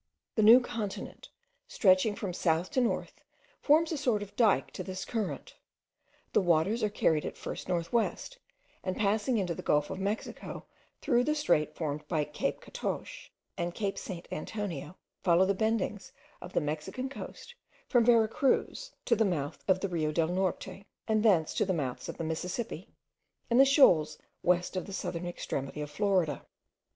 The New Continent, stretching from south to north, forms a sort of dyke to this current. The waters are carried at first north west, and passing into the Gulf of Mexico through the strait formed by Cape Catoche and Cape St. Antonio, follow the bendings of the Mexican coast, from Vera Cruz to the mouth of the Rio del Norte, and thence to the mouths of the Mississippi, and the shoals west of the southern extremity of Florida.